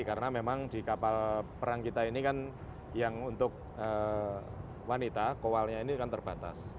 karena memang di kapal perang kita ini kan yang untuk wanita kowalnya ini kan terbatas